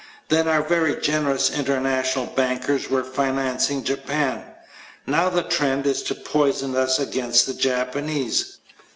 Then our very generous international bankers were financing Japan. Now the trend is to poison us against the Japanese.